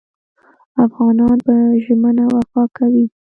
افغانان په ژمنه وفا کوي.